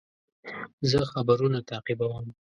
زه خبرونه تعقیبوم.